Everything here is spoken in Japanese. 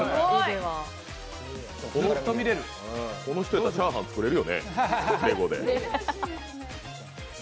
この人やったらチャーハン作れるよね、レゴで。